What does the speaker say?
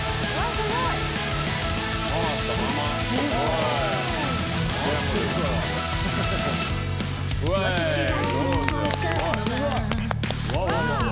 すごいな！